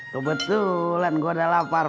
kebetulan gua udah lapar